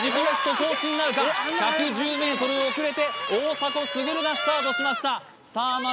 ベスト更新なるか１１０ｍ遅れて大迫傑がスタートしましたさあ